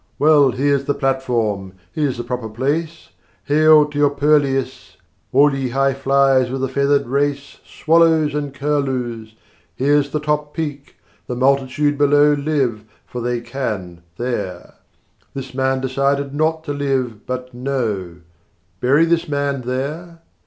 Well, here's the platform, here's the proper place: Hail to your purlieus, All ye highfliers of the feathered race, Swallows and curlews! Here's the top peak; the multitude below Live, for they can, there: This man decided not to Live but Know Bury this man there?